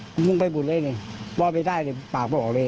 ครับมึงไม่บุญเลยเลยว่าไม่ได้เลยปากไม่ออกเลย